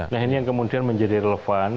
nah ini yang kemudian menjadi relevan